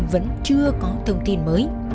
vẫn chưa có thông tin mới